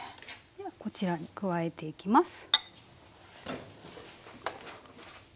ではこちらに加えていきます。